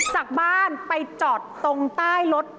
จากบ้านไปจอดตรงใต้รถ